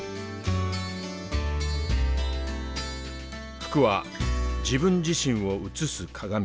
服は自分自身を映す鏡。